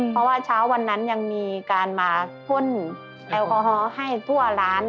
เพราะว่าเช้าวันนั้นยังมีการมาพ่นแอลกอฮอล์ให้ทั่วร้าน